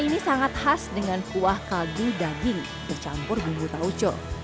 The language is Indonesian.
ini sangat khas dengan kuah kaldu daging bercampur bumbu tauco